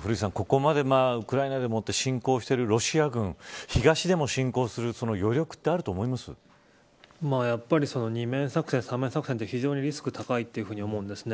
古市さん、ここまでウクライナで侵攻しているロシア軍が東でも侵攻するやはり二面作戦三面作戦は非常にリスクが高いと思うんです。